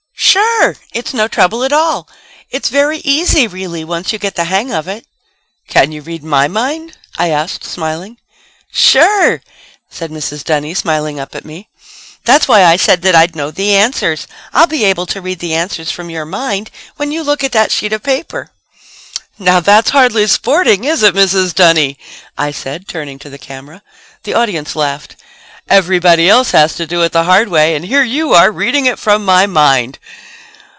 "Sure! It's no trouble at all. It's very easy really, once you get the hang of it." "Can you read my mind?" I asked, smiling. "Sure!" said Mrs. Dunny, smiling up at me. "That's why I said that I'd know the answers. I'll be able to read the answers from your mind when you look at that sheet of paper." "Now, that's hardly sporting, is it, Mrs. Dunny?" I said, turning to the camera. The audience laughed. "Everybody else has to do it the hard way and here you are reading it from my mind."